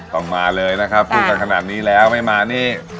ต้องมาเลยนะครับพูดกันขนาดนี้แล้วไม่มานี่